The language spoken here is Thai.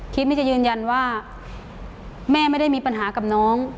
ที่จะยืนยันว่าแม่ไม่ได้มีปัญหากับน้อง